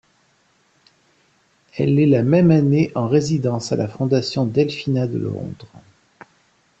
Elle est la même année en résidence à la Fondation Delfina de Londres.